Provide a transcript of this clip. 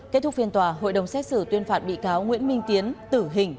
kết thúc phiên tòa hội đồng xét xử tuyên phạt bị cáo nguyễn minh tiến tử hình